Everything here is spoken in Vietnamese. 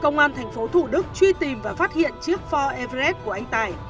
ngoan thành phố thủ đức truy tìm và phát hiện chiếc ford everest của anh tài